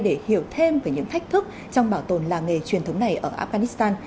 để hiểu thêm về những thách thức trong bảo tồn làng nghề truyền thống này ở afghanistan